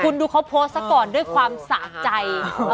คุณดูเขาโพสต์ซะก่อนด้วยความสะใจ